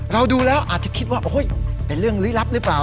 เราดูแล้วอาจจะคิดว่าเป็นเรื่องลี้ลับหรือเปล่า